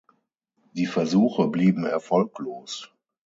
Die Versuche blieben erfolglos.